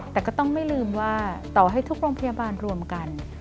แต่ก็ต้องไม่ลืมว่าต่อให้ทุกโรงพยาบาลรวมกัน